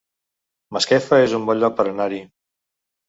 Masquefa es un bon lloc per anar-hi